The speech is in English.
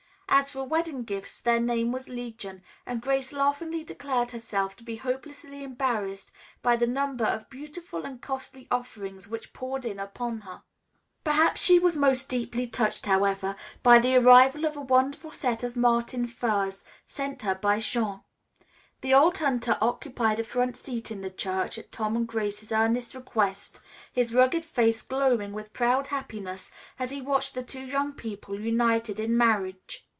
As for wedding gifts, their name was legion, and Grace laughingly declared herself to be hopelessly embarrassed by the number of beautiful and costly offerings which poured in upon her. Perhaps she was most deeply touched, however, by the arrival of a wonderful set of martin furs, sent her by Jean. The old hunter occupied a front seat in the church, at Tom's and Grace's earnest request, his rugged face glowing with proud happiness as he watched the two young people united in marriage.